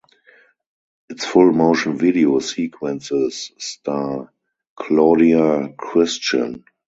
Its full motion video sequences star Claudia Christian.